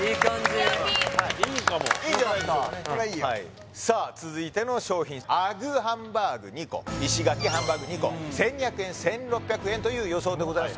ニアピンいいかもこれはいいよさあ続いての商品あぐーハンバーグ２個石垣ハンバーグ２個１２００円１６００円という予想でございます